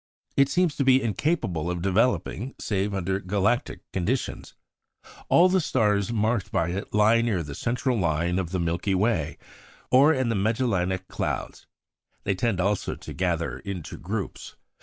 It seems to be incapable of developing save under galactic conditions. All the stars marked by it lie near the central line of the Milky Way, or in the Magellanic Clouds. They tend also to gather into groups.